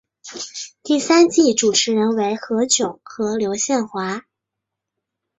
第三季主持人为何炅和刘宪华。